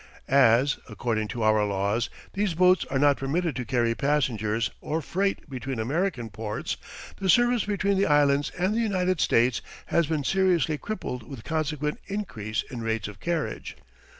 As, according to our laws, these boats are not permitted to carry passengers or freight between American ports, the service between the Islands and the United States has been seriously crippled with consequent increase in rates of carriage.